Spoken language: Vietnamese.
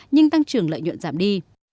nhưng tăng trưởng lợi nhuận giảm đi